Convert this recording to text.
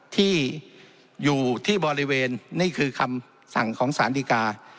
ที่อยู่ที่บริเวณนี่คือคำสั่งของสารดีกา